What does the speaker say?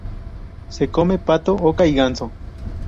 Se come pato, oca y ganso.